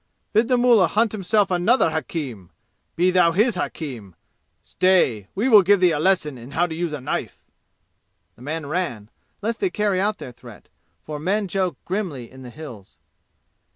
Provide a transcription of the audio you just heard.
"Bid the mullah hunt himself another hakim! Be thou his hakim! Stay, we will give thee a lesson in how to use a knife!" The man ran, lest they carry out their threat, for men joke grimly in the "Hills."